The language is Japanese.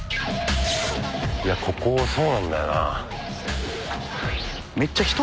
ここそうなんだよな。